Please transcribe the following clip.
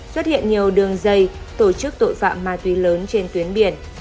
xuất hiện nhiều đường dây tổ chức tội phạm ma túy lớn trên tuyến biển